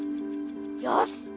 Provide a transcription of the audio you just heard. よし！